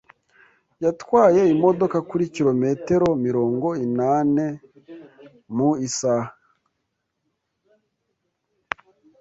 Yatwaye imodoka kuri kilometero mirongo inani mu isaha.